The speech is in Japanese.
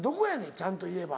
ちゃんと言えば。